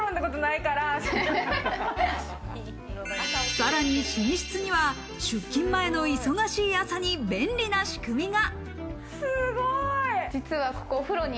さらに寝室には出勤前の忙しい朝に便利な仕組みが。